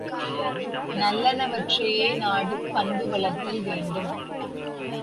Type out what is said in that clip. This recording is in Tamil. நல்லனவற்றையே நாடும் பண்பு வளர்தல் வேண்டும்.